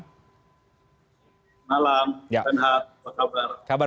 selamat malam renhat apa kabar